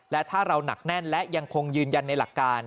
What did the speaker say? และถ้าเราหนักแน่นและยังคงยืนยันในหลักการ